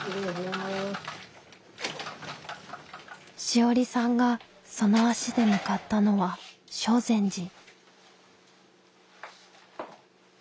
志織さんがその足で向かったのは性善寺。